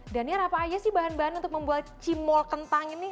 dan ya apa aja sih bahan bahan untuk membuat cimol kentang ini